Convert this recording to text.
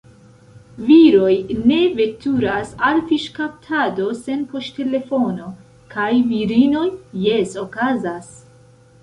Viroj ne veturas al fiŝkaptado sen poŝtelefono, kaj virinoj – jes, okazas!